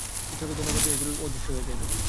ঈশ্বরকে ধন্যবাদ যে, এইগুলি অদৃশ্য হইয়া যাইবে।